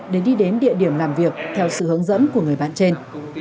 để đi đến địa điểm làm việc theo sự hướng dẫn của người bạn trên